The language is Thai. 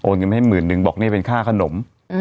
เงินมาให้หมื่นนึงบอกนี่เป็นค่าขนม